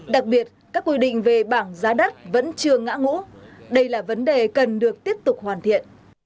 đặc biệt các quy định về bảng giá đất vẫn chưa ngã ngũ đây là vấn đề cần được tiếp tục hoàn thiện